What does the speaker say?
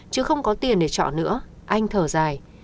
chứ không có tiền để chọn nữa anh thở dài